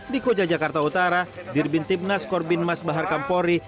di koja jakarta utara dirbin timnas korbin mas bahar kampori